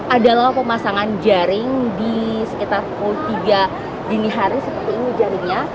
adalah pemasangan jaring di sekitar pukul tiga dini hari seperti ini jaringnya